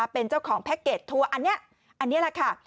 เป็นเจ้าของแพ็คเกจทัวร์อันนี้อันนี้แหละค่ะ